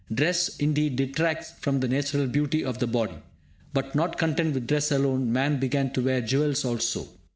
Dress, indeed, detracts from the natural beauty of the body. But, not content with dress alone, man began to wear jewels also.